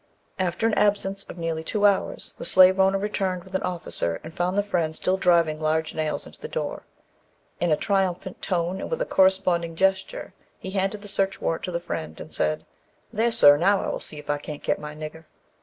After an absence of nearly two hours, the slave owner returned with an officer and found the Friend still driving large nails into the door. In a triumphant tone and with a corresponding gesture, he handed the search warrant to the Friend, and said, "There, sir, now I will see if I can't get my nigger."